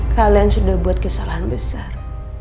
kalian sudah buat kesalahan besar